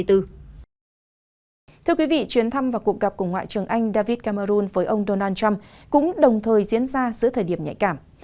thưa quý vị chuyến thăm và cuộc gặp của ngoại trưởng anh david camerun với ông donald trump cũng đồng thời diễn ra giữa thời điểm nhạy cảm